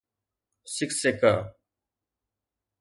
سکسيڪا